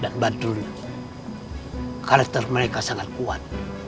dan badrun karakter mereka sangat kuat